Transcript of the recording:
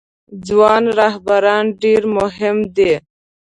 ځوان رهبران ډیر مهم دي